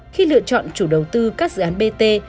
khi lựa chọn chủ đầu tư các dự án bt